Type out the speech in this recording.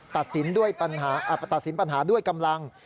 ตัดสินปัญหาด้วยกำลัง